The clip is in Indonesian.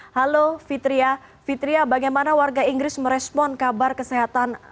halo fitria fitria bagaimana warga inggris merespon kabar kesehatan